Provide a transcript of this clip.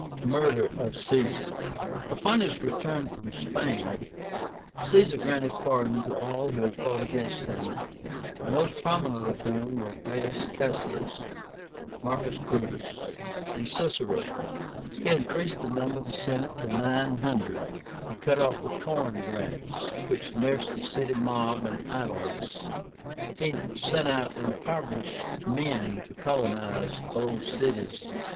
MURDER OF CAESAR. Upon his return from Spain, Caesar granted pardon to all who had fought against him, the most prominent of whom were GAIUS CASSIUS, MARCUS BRUTUS, and CICERO. He increased the number of the Senate to nine hundred. He cut off the corn grants, which nursed the city mob in idleness. He sent out impoverished men to colonize old cities.